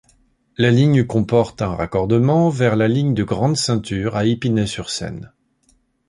La ligne comporte un raccordement, vers la ligne de Grande Ceinture à Épinay-sur-Seine.